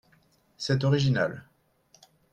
C’est original